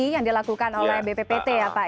yang dilakukan oleh bppt ya pak